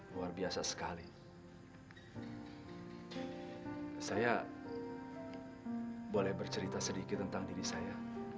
luar biasa sekali saya boleh bercerita sedikit tentang diri saya